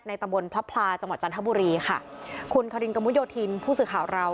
ตำบลพระพลาจังหวัดจันทบุรีค่ะคุณคารินกระมุดโยธินผู้สื่อข่าวเรา